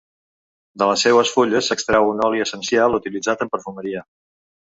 De les seues fulles s'extrau un oli essencial utilitzat en perfumeria.